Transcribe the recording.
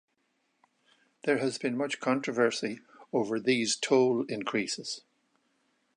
There has been much controversy over these toll increases.